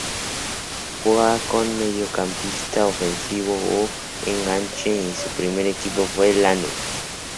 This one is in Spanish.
Jugaba como mediocampista ofensivo o enganche y su primer equipo fue Lanús.